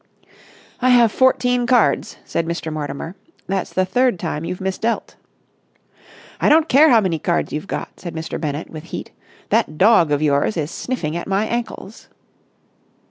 "I have fourteen cards," said Mr. Mortimer. "That's the third time you've mis dealt." "I don't care how many cards you've got!" said Mr. Bennett with heat. "That dog of yours is sniffing at my ankles!"